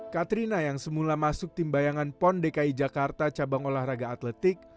katrina yang semula masuk tim bayangan pon dki jakarta cabang olahraga atletik